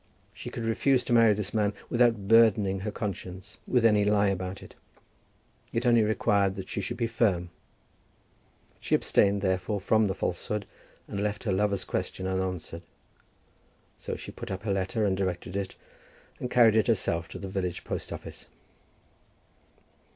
She could refuse to marry this man without burdening her conscience with any lie about it. It only required that she should be firm. She abstained, therefore, from the falsehood, and left her lover's question unanswered. So she put up her letter and directed it, and carried it herself to the village post office.